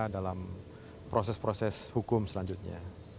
dalam proses proses hukum selanjutnya